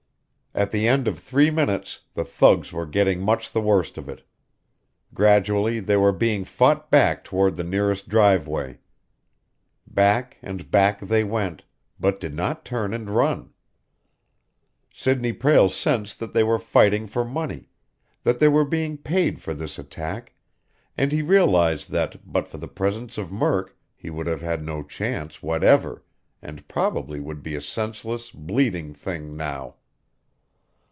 At the end of three minutes, the thugs were getting much the worst of it. Gradually they were being fought back toward the nearest driveway. Back and back they went, but did not turn and run. Sidney Prale sensed that they were fighting for money, that they were being paid for this attack, and he realized that, but for the presence of Murk, he would have had no chance whatever, and probably would be a senseless, bleeding thing now.